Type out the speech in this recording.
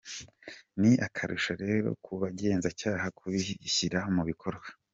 Ni akarusho rero ku bagenzacyaha kubishyira mu bikorwa.